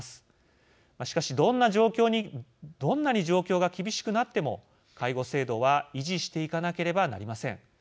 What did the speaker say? しかしどんなに状況が厳しくなっても介護制度は維持していかなければなりません。